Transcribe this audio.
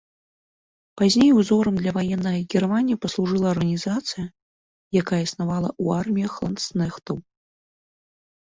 Пазней узорам для ваеннага кіравання паслужыла арганізацыя, якая існавала ў арміях ландскнехтаў.